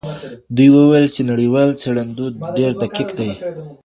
دوی وویل چي نړیوال څېړندود ډېر دقیق دئ.